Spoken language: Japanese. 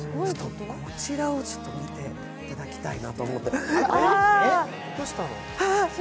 こちらを見ていただきたいなと思って。